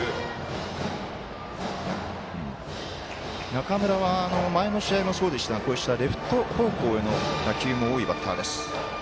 中村は前の試合もそうでしたがこうしたレフト方向への打球も多いバッターです。